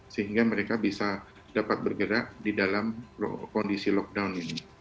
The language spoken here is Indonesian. sehingga mereka bisa dapat bergerak di dalam kondisi lockdown ini